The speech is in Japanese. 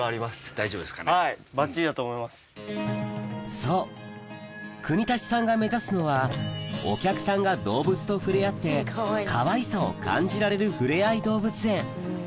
そう國立さんが目指すのはお客さんが動物と触れ合ってかわいさを感じられる触れ合い動物園